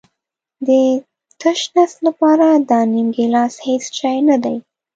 د تش نس لپاره دا نیم ګیلاس هېڅ شی نه دی.